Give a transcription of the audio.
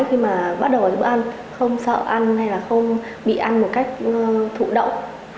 khi mà bắt đầu bữa ăn không sợ ăn hay là không bị ăn một cách thụ động